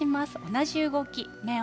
同じ動き。